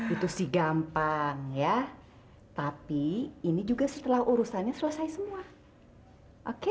itu sih gampang ya tapi ini juga setelah urusannya selesai semua oke